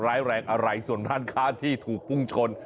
ร้ายแรงอะไรส่วนร้านค้าที่ถูกพุ่งชน